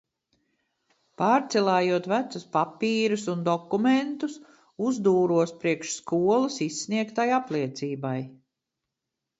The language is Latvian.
Pārcilājot vecus papīrus un dokumentus, uzdūros priekš skolas izsniegtai apliecībai.